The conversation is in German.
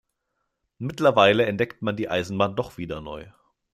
Mittlerweile entdeckt man die Eisenbahn doch wieder neu.